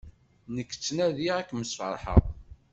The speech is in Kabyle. Nekk ttnadiɣ ad kem-sferḥeɣ.